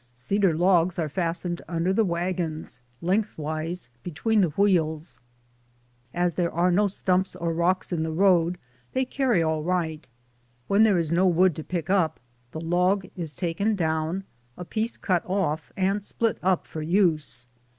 Cedar logs are fastened under the wagons, lengthwise between the wheels ; as there are no stumps or rocks in the road they carry all right, when there is no wood to pick up the log is taken down, a piece cut off and split up for use.